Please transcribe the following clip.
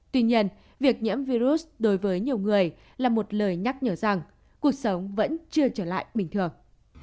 tuy nhiên việc nhiễm virus đối với nhiều người là một lời nhắc nhở rằng cuộc sống vẫn chưa trở lại bình thường